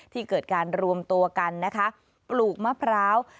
ที่เกิดการรวมตัวกันนะคะปลูกมะพร้าว